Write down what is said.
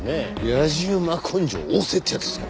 やじ馬根性旺盛ってやつですかね？